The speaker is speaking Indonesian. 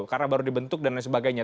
karena baru dibentuk dan lain sebagainya